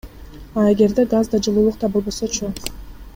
А эгерде газ да, жылуулук да болбосочу?